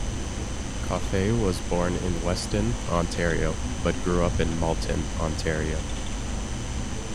Coffey was born in Weston, Ontario, but grew up in Malton, Ontario.